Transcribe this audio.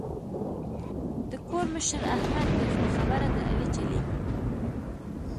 د کور مشر احمد دی خو خبره د علي چلېږي.